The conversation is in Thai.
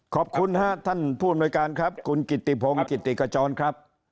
ขอบคุณฮะท่านผู้อำนวยการครับคุณกิติพงศ์กิติขจรครับ